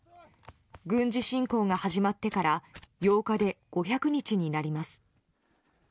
軍事侵攻が始まってから８日で５００日になります。